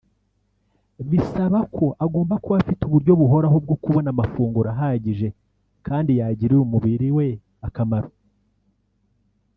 bisaba ko agomba kuba afite uburyo buhoraho bwo kubona amafunguro ahagije kandi yagirira umubiri we akamaro